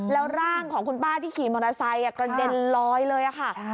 แล้วร่างของคุณป้าที่ขี่มอเตอร์ไซค์กระเด็นลอยเลยค่ะ